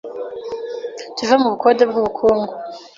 Tuve mu bukode bw’ubukungu